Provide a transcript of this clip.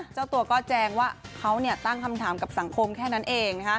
เจ้าตัวก็แจงว่าเขาตั้งคำถามกับสังคมแค่นั้นเอง